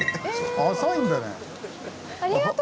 浅いんだね。